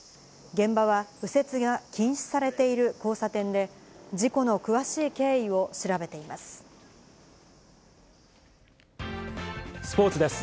現場は右折が禁止されている交差点で、事故の詳しい経緯を調べています。